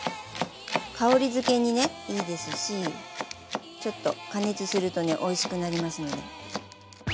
香り付けにねいいですしちょっと加熱するとねおいしくなりますので。